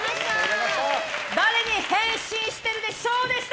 誰に変身してるでＳＨＯＷでした。